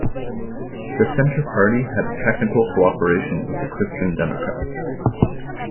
The Centre Party had a technical cooperation with the Christian Democrats.